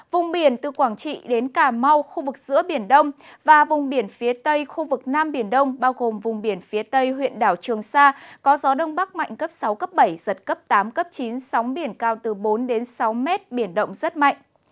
vùng biển từ quảng trị đến cà mau khu vực giữa biển đông và vùng biển phía tây khu vực nam biển đông bao gồm vùng biển phía tây huyện đảo trường sa có gió đông bắc mạnh cấp sáu cấp bảy giật cấp tám cấp chín sóng biển cao từ bốn đến sáu mét biển động rất mạnh